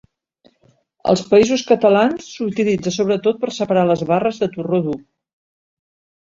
Als Països Catalans s'utilitza sobretot per separar les barres de torró dur.